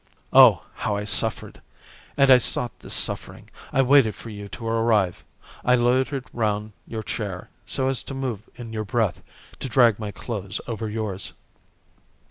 "Oh! how I suffered! And I sought this suffering. I waited for you to arrive. I loitered round your chair, so as to move in your breath, to drag my clothes over yours.